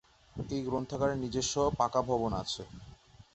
এই গ্রন্থাগারের নিজস্ব পাকা ভবন আছে।